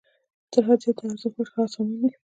تر حد زیات د ارزښت وړ هغه سامان دی